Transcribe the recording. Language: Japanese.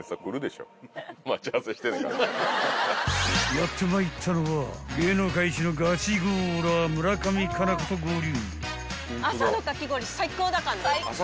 ［やってまいったのは芸能界一のガチゴーラー村上佳菜子と合流］